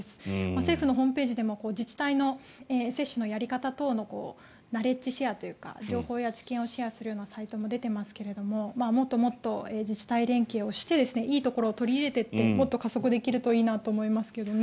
政府のホームページでも自治体の接種のやり方などのナレッジシェアというか情報や知見をシェアするサイトも出ていますがもっともっと自治体連携をしていいところを取り入れていってもっと加速できるといいなと思いますけどね。